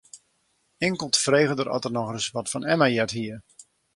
Inkeld frege er oft ik noch ris wat fan Emma heard hie.